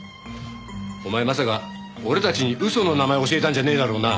お前まさか俺たちに嘘の名前を教えたんじゃねえだろうな？